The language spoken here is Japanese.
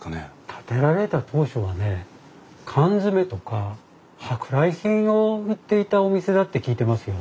建てられた当初はね缶詰とか舶来品を売っていたお店だって聞いてますよ。